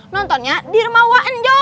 nontonnya di rumah wanjo